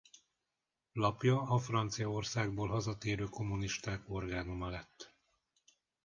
Lapja a Franciaországból hazatérő kommunisták orgánuma lett.